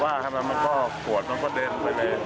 ว่าจะทำอะไรมันก็ขวดมันก็เดินไปเลย